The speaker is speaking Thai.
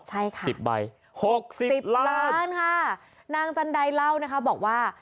ใช่ค่ะสิบใบหกสิบล้านค่ะนางจันไดเล่านะคะบอกว่า